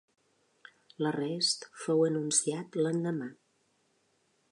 L'arrest fou anunciat l'endemà.